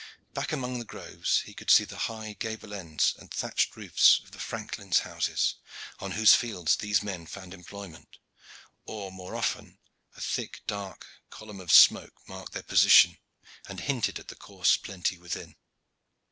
Back among the groves he could see the high gable ends and thatched roofs of the franklins' houses, on whose fields these men found employment, or more often a thick dark column of smoke marked their position and hinted at the coarse plenty within.